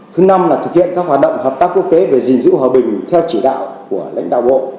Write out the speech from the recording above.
thứ năm là thực hiện các hoạt động hợp tác quốc tế về gìn giữ hòa bình theo chỉ đạo của lãnh đạo bộ